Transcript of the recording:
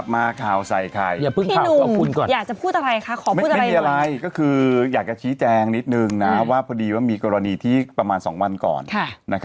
ไม่มีอะไรก็คืออยากจะชี้แจงนิดนึงนะว่าพอดีว่ามีกรณีที่ประมาณสองวันก่อน